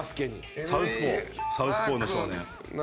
サウスポーサウスポーの少年。